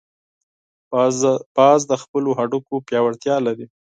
باز د خپلو هډوکو پیاوړتیا لري